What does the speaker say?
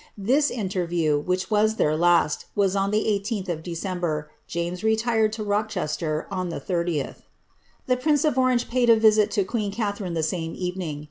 This inter view, which was their last, was on the 18th of December — James retired to Rochester on the 30th. The prince of Orange paid a visit to queen Catharine the same evening.